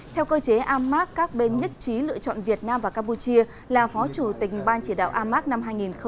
theo cơ chế amac các bên nhất trí lựa chọn việt nam và campuchia là phó chủ tình ban chỉ đạo amac năm hai nghìn hai mươi